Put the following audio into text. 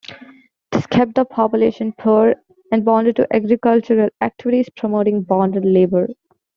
This kept the population poor and bonded to agricultural activities promoting bonded labor.